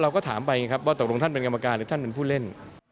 เราก็ต้องถามไปว่าตกลงท่านเป็นกรรมการหรือเจ้าเป็นการเล่น